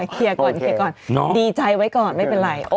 เคลียร์ก่อนดีใจไว้ก่อนไม่เป็นไร